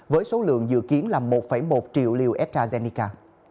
với số lượng dự kiến là một một triệu liều astrazeneca